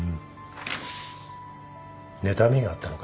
ねたみがあったのか？